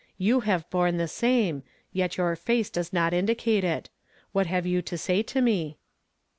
You have borne the same, yet your face does not indicate it. What have you to sav to me?"